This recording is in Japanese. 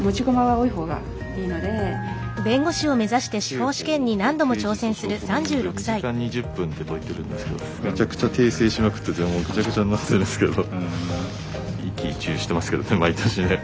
刑法と刑事訴訟法の問題を２時間２０分で解いてるんですけどめちゃくちゃ訂正しまくっててもうぐちゃぐちゃになってるんですけど。